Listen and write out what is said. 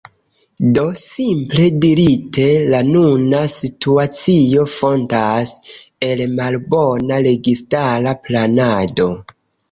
Do, simple dirite, la nuna situacio fontas el malbona registara planado.